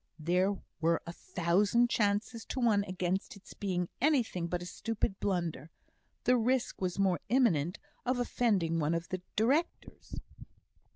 There were a thousand chances to one against its being anything but a stupid blunder; the risk was more imminent of offending one of the directors.